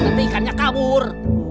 nanti ikannya kabur